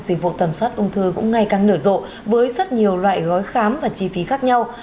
dịch vụ tầm soát ung thư cũng ngày càng nở rộ với rất nhiều loại gói khám và chi phí khác nhau